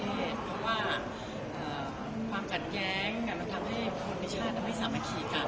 เพราะว่าความขัดแย้งมันทำให้คนในชาติไม่สามารถขี่กลับ